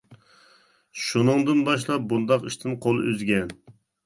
شۇنىڭدىن باشلاپ بۇنداق ئىشتىن قول ئۈزگەن.